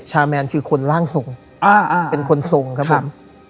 แมนคือคนร่างทรงเป็นคนทรงครับผม